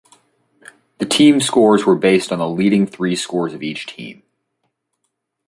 The team scores were based on the leading three scores of each team.